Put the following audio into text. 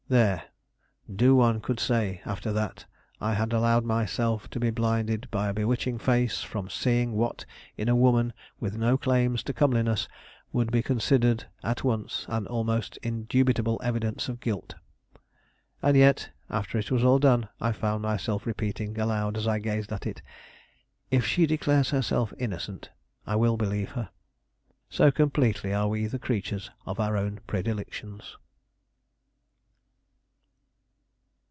There! no one could say, after that, I had allowed myself to be blinded by a bewitching face from seeing what, in a woman with no claims to comeliness, would be considered at once an almost indubitable evidence of guilt. And yet, after it was all done, I found myself repeating aloud as I gazed at it: "If she declares herself innocent, I will believe her." So completely are we the creatures of our own predilections.